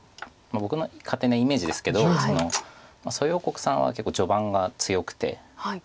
僕の勝手なイメージですけど蘇耀国さんは結構序盤が強くて。